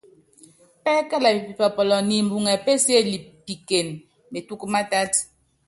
Pɛ́kɛlɛ pipɔpɔlɔ nimbuŋɛ pésiélipikene metúkú mátátu.